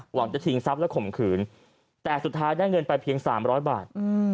จะชิงทรัพย์และข่มขืนแต่สุดท้ายได้เงินไปเพียง๓๐๐บาท